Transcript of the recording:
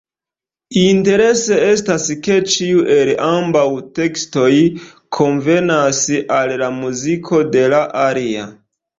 Interese estas, ke ĉiu el ambaŭ tekstoj konvenas al la muziko de la alia.